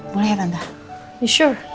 boleh ya tante